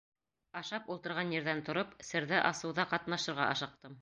Ашап ултырған ерҙән тороп, серҙе асыуҙа ҡатнашырға ашыҡтым.